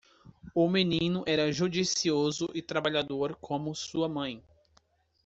O menino era judicioso e trabalhador como sua mãe.